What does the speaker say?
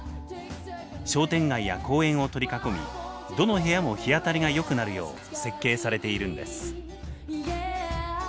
商店街や公園を取り囲みどの部屋も日当たりがよくなるよう設計されているんです。